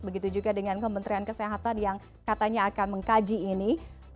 begitu juga dengan kementerian kesehatan yang katanya akan mengkaji ini